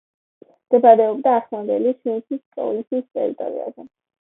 მდებარეობდა ახლანდელი შანსის პროვინციის ტერიტორიაზე.